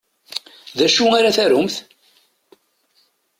D acu ara tarumt?